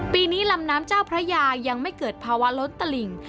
ปีนี้ลำน้ำเจ้าพระยายังไม่เกิดภาวะล้นตลิ่ง